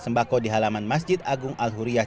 sembako di halaman masjid agung al huriyah